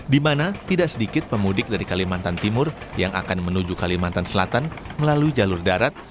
di mana tidak sedikit pemudik dari kalimantan timur yang akan menuju kalimantan selatan melalui jalur darat